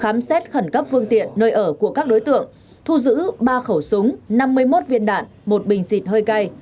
khám xét khẩn cấp phương tiện nơi ở của các đối tượng thu giữ ba khẩu súng năm mươi một viên đạn một bình xịt hơi cay